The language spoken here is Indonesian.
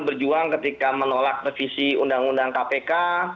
berjuang ketika menolak revisi undang undang kpk